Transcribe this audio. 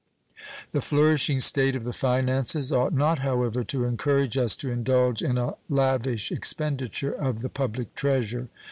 The flourishing state of the finances ought not, however, to encourage us to indulge in a lavish expenditure of the public treasure.